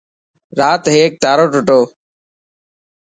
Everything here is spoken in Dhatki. رات هيڪ تارو ٽٽو.